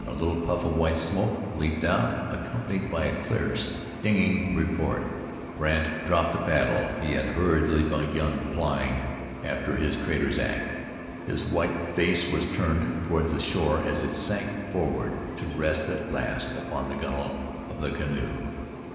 A little puff of white smoke leaped out, accompanied by a clear, stinging report. Brandt dropped the paddle he had hurriedly begun plying after his traitor's act. His white face was turned toward the shore as it sank forward to rest at last upon the gunwale of the canoe.